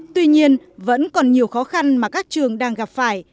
tuy nhiên vẫn còn nhiều khó khăn mà các trường đang gặp phải